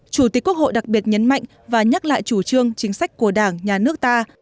chủ tịch quốc hội đặc biệt nhấn mạnh và nhắc lại chủ trương chính sách của đảng nhà nước ta